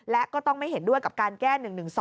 และก็ต้องไม่เห็นด้วยกับการแก้๑๑๒